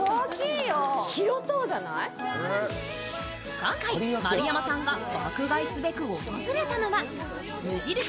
今回丸山さんが爆買いすべく訪れたのは無印